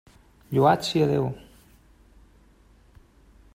Lloat sia Déu!